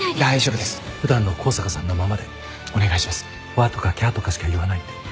「わー！」とか「キャー！」とかしか言わないんで。